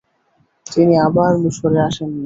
তিনি আর মিশরে আসেননি।